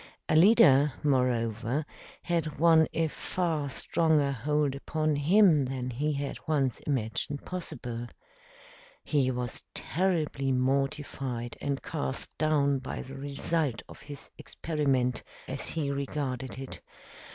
Alida, moreover, had won a far stronger hold upon him than he had once imagined possible. He was terribly mortified and cast down by the result of his experiment, as he regarded it.